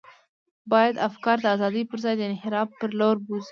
باید افکار د ازادۍ پر ځای د انحراف پر لور بوزي.